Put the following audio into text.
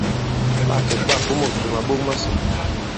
Ɓâ kɛ̀k ɓâ fomôk kì màɓok masò.